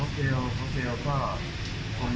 กลัวรูปกันตัวชะชัด